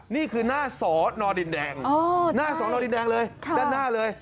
นี่คือหน้าสอนอดินแดงหน้าสอนอดินแดงเลยด้านหน้าเลย